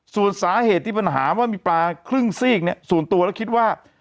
ส่วนสาเหตุที่ปัญหาว่ามีปลาครึ่งซีกเนี่ยส่วนตัวแล้วคิดว่า